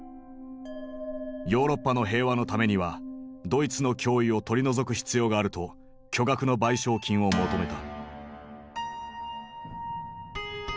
ヨーロッパの平和のためにはドイツの脅威を取り除く必要があると巨額の賠償金を求めた。